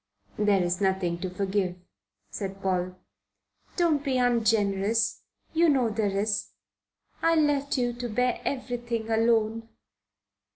"There is nothing to forgive," said Paul. "Don't be ungenerous; you know there is. I left you to bear everything alone."